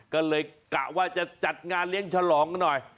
ก็เลยกะว่าจะจัดงานเลี้ยงฉลองกันหน่อย